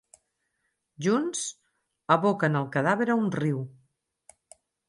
Junts, aboquen el cadàver a un riu.